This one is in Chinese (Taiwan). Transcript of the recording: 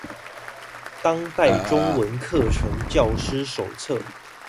當代中文課程教師手冊